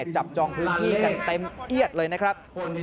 จับจองพื้นที่กันเต็มเอียดเลยนะครับ